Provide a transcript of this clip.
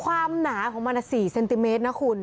หนาของมัน๔เซนติเมตรนะคุณ